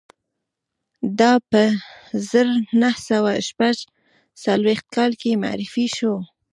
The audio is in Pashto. دا په زر نه سوه شپږ څلویښت کال کې معرفي شو